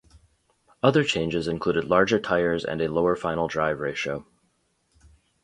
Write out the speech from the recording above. Other changes included larger tyres and a lower final drive ratio.